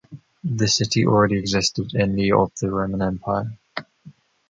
The city already existed in the of the Roman Empire.